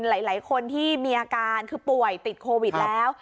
หลายคนที่มีอาการคือป่วยติดโควิดแล้ว